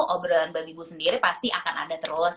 obrolan babi ibu sendiri pasti akan ada terus